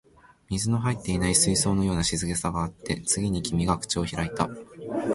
水の入っていない水槽のような静けさがあって、次に君が口を開いた